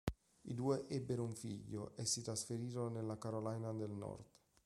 I due ebbero un figlio e si trasferirono nella Carolina del Nord.